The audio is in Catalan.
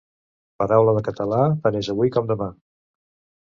Paraula de català tant és avui com demà.